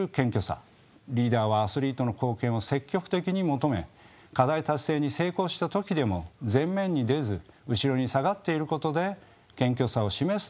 リーダーはアスリートの貢献を積極的に求め課題達成に成功した時でも前面に出ず後ろに下がっていることで謙虚さを示す点です。